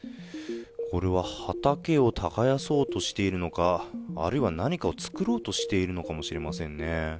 これは畑を耕そうとしているのか、あるいは何かを作ろうとしているのかもしれませんね。